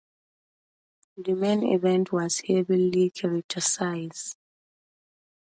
The main event was heavily criticized.